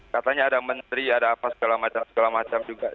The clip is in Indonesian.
katanya ada menteri ada apa segala macam segala macam juga